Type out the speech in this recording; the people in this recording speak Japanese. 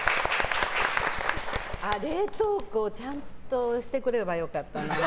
冷凍庫ちゃんとしてくればよかったな。